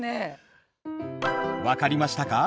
分かりましたか？